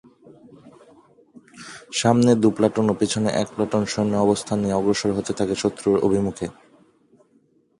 সামনে দু প্লাটুন ও পেছনে এক প্লাটুন সৈন্য অবস্থান নিয়ে অগ্রসর হতে থাকে শত্রু অভিমুখে।